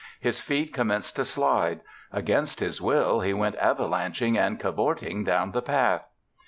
His feet commenced to slide; against his will he went avalanching and cavorting down the path.